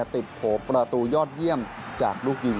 โผล่ประตูยอดเยี่ยมจากลูกยิง